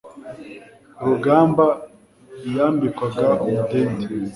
ku rugamba yambikwaga umudende